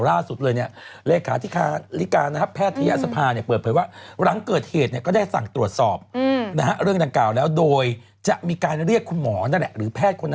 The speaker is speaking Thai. คุณเอเนี่ยทำงานด้านสาธารณสุขคุณเอในที่นี่หมายถึงว่าตัวพี่ผู้ชายหรือเปล่า